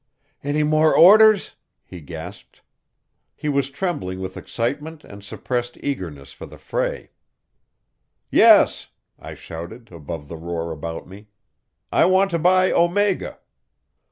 "Any more orders?" he gasped. He was trembling with excitement and suppressed eagerness for the fray. "Yes," I shouted above the roar about me. "I want to buy Omega."